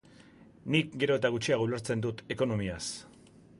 Nik gero eta gutxiago ulertzen dut ekonomiaz.